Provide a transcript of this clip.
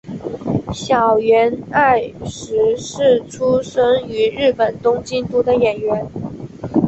筱原爱实是出身于日本东京都的演员。